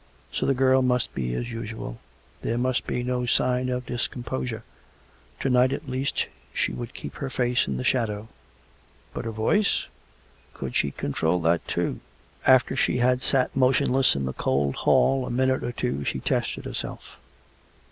So the girl must be as usual. There must be no sign of discomposure. To night, at least, she would keep her face in the shadow. But her voice? Could she control that too.f* After she had sat motionless in the cold hall a minute or two, she tested herself.